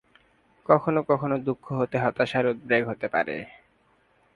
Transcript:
কখনও কখনও, দুঃখ হতে হতাশার উদ্রেক হতে পারে।